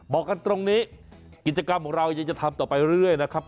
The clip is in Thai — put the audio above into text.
บอกกันตรงนี้กิจกรรมของเรายังจะทำต่อไปเรื่อยนะครับ